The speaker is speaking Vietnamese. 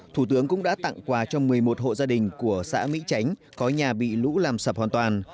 thủ tướng cũng đã tặng quà cho một mươi một hộ gia đình của xã mỹ chánh có nhà bị lũ làm sập hoàn toàn